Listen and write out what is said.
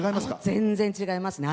全然、違いますね。